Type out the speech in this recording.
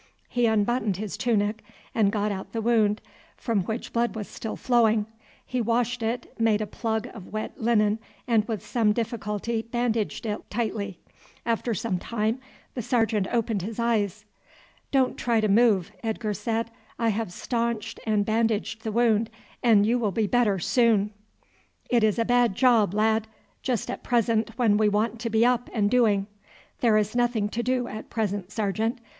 He unbuttoned his tunic and got at the wound, from which blood was still flowing. He washed it, made a plug of wet linen, and with some difficulty bandaged it tightly. After some time the sergeant opened his eyes. "Don't try to move," Edgar said. "I have staunched and bandaged the wound, and you will be better soon." "It is a bad job, lad; just at present when we want to be up and doing." "There is nothing to do at present, sergeant.